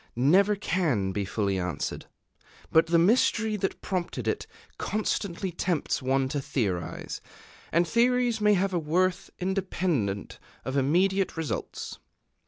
never can be fully answered. But the mystery that prompted it constantly tempts one to theorize; and theories may have a worth independent of immediate results.